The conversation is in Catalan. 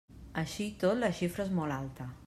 Així i tot, la xifra és molt alta.